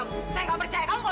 mak ada apa bu